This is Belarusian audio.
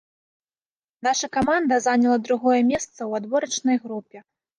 Наша каманда заняла другое месца ў адборачнай групе.